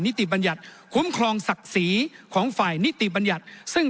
ติบัญญัติคุ้มครองศักดิ์ศรีของฝ่ายนิติบัญญัติซึ่ง